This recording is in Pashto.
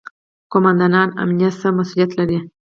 قوماندان امنیه څه مسوولیت لري؟